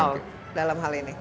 hal dalam hal ini